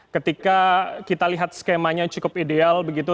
ketika kita lihat skemanya cukup ideal begitu